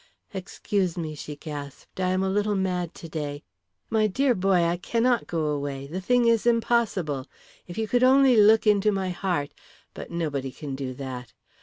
"Excuse me," she gasped, "I am a little mad today. My dear boy, I cannot go away, the thing is impossible. If you could only look into my heart but nobody can do that.